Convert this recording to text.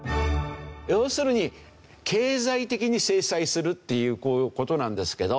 要するに経済的に制裁するっていう事なんですけど。